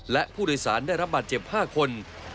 และผู้โดยสารได้รับบาดเจ็บ๕คน